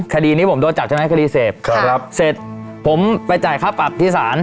คดีนี้ผมโดนจับใช่ไหมคดีเสพครับเสร็จผมไปจ่ายค่าปรับที่ศาล